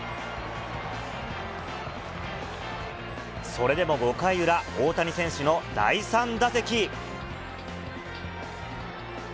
それでも５回裏、大谷選手の第３打席。